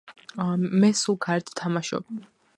მე სულ გარეთ ვთამშობ